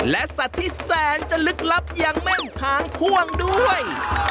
และสัตว์ที่แสนจะลึกลับอย่างแม่นหางพ่วงด้วย